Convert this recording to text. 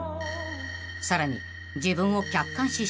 ［さらに］